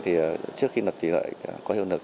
trước khi luật thủy lợi có hiệu lực